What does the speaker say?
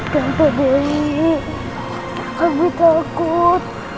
tante dewi aku takut